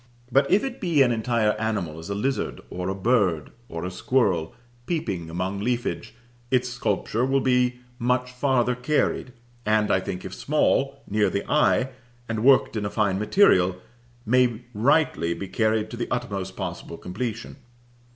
But if it be an entire animal, as a lizard, or a bird, or a squirrel, peeping among leafage, its sculpture will be much farther carried, and I think, if small, near the eye, and worked in a fine material, may rightly be carried to the utmost possible completion.